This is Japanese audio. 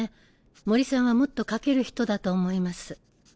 森さんはもっと描ける人だと思います。